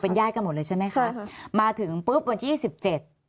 เป็นย่ายกันหมดเลยใช่ไหมค่ะใช่ค่ะมาถึงปุ๊บวันที่ยี่สิบเจ็ด